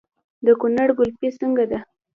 د کونړ ګلپي څنګه ده؟